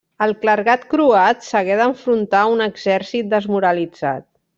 El clergat croat s'hagué d'enfrontar a un exèrcit desmoralitzat.